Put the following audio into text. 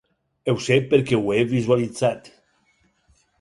Ho sé perquè ho he visualitzat.